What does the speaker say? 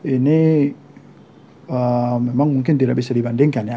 ini memang mungkin tidak bisa dibandingkan ya